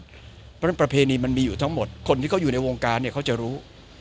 เพราะฉะนั้นประเพณีมันมีอยู่ทั้งหมดคนที่เขาอยู่ในวงการเนี่ยเขาจะรู้